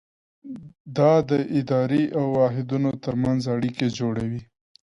دا د اداري واحدونو ترمنځ اړیکې جوړوي.